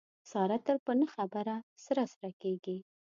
ساره تل په نه خبره سره سره کېږي.